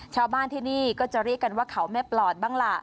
ชาวบ้านที่นี่ก็จะเรียกกันว่าเขาแม่ปลอดบ้างล่ะ